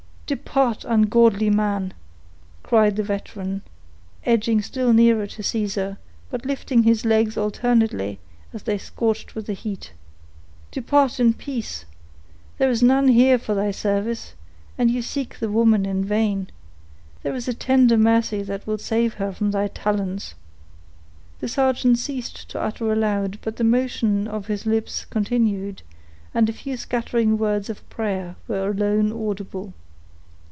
"Depart, ungodly man!" cried the veteran, edging still nearer to Caesar, but lifting his legs alternately as they scorched with the heat. "Depart in peace! There is none here for thy service, and you seek the woman in vain. There is a tender mercy that will save her from thy talons." The sergeant ceased to utter aloud, but the motion of his lips continued, and a few scattering words of prayer were alone audible.